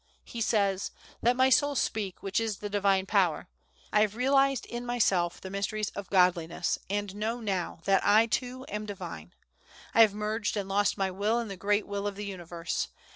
He says: "Let my soul speak, which is the Divine Power. I have realized in myself the mysteries of Godliness, and know now that I too am Divine. I have merged and lost my will in the Great Will of the universe.